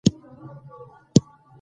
زده کړه د نجونو فزیکي وړتیا زیاتوي.